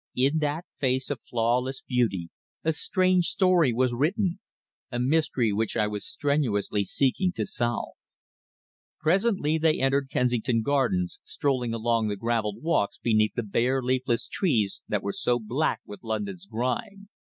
In that face of flawless beauty a strange story was written a mystery which I was strenuously seeking to solve. Presently they entered Kensington Gardens, strolling along the gravelled walks beneath the bare, leafless trees that were so black with London's grime.